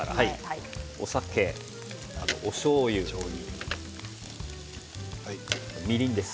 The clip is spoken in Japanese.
お酒、おしょうゆ、みりんです。